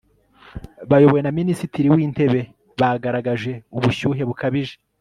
bayobowe na minisitiri w'intebe bagaragaje ubushyuhe bukabije